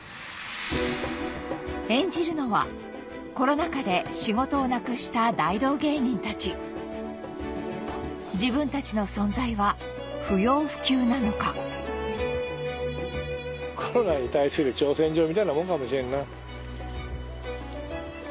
演じるのはコロナ禍で仕事をなくした大道芸人たち自分たちの存在は不要不急なのかみたいなもんかもしれんな。